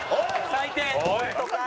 最低。